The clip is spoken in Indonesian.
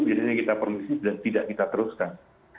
biasanya kita permisif dan tidak kita teruskan